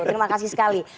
terima kasih sekali